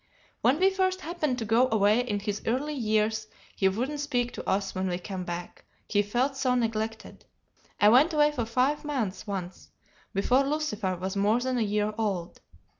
When we first happened to go away in his early years he wouldn't speak to us when we came back, he felt so neglected. I went away for five months once, before Lucifer was more than a year old.